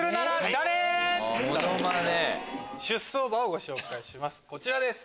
出走馬をご紹介します